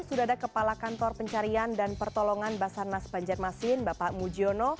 sudah ada kepala kantor pencarian dan pertolongan basarnas banjarmasin bapak mujiono